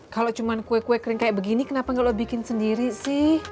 kalau cuma kue kue kering kayak begini kenapa nggak lo bikin sendiri sih